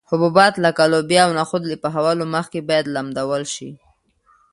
حبوبات لکه لوبیا او نخود له پخولو مخکې باید لمدول شي.